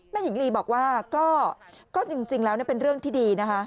หญิงลีบอกว่าก็จริงแล้วเป็นเรื่องที่ดีนะคะ